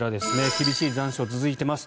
厳しい残暑が続いています。